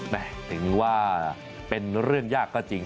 แบบนี้ว่าเป็นเรื่องยากก็จริง